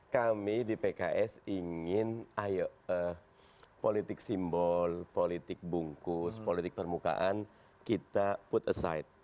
kami di pks ingin ayo politik simbol politik bungkus politik permukaan kita put aside